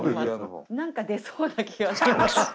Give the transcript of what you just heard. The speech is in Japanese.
何か出そうな気がして。